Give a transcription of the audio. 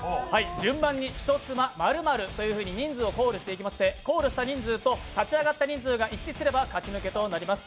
順番に人スマ○○と人数をコールしてコールした人数と立ち上がった人数が一致すれば勝ち抜けとなります。